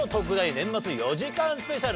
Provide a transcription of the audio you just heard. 年末４時間スペシャル。